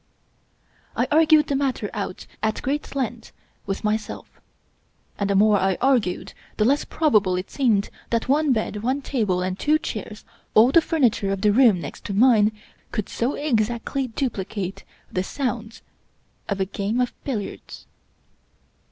I ar gued the matter out at great length with myself; and the more I argued the less probable it seemed that one bed, one table, and two chairs — all the furniture of the room next to mine— could so exactly duplicate the sounds of a game of billiards.